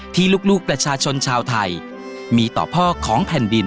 ที่ลูกประชาชนชาวไทยมีต่อพ่อของแผ่นดิน